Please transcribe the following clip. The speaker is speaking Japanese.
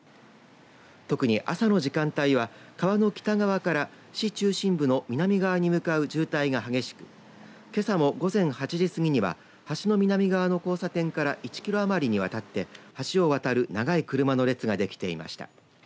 特に朝の時間帯は川の北側から市中心部の南側に向かう渋滞が激しくけさの午前８時過ぎには橋の南側の交差点から１キロ余りにわたって橋を渡る長い車の列ができていました。